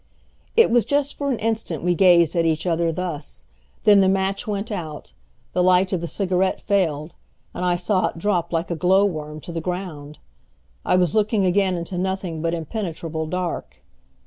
It was just for an instant we gazed at each other thus. Then the match went out, the light of the cigarette failed, and I saw it drop like a glow worm to the ground. I was looking again into nothing but impenetrable dark.